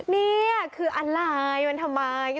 นี่คืออะไรมันทำไม